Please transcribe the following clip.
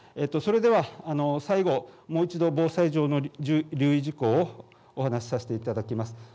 それでは最後、もう一度防災上の留意事項をお話させていただきます。